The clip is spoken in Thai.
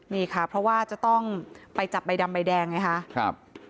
นี่ค่ะเพราะว่าจะต้องไปจับใบดำใบแดงไงคะครับ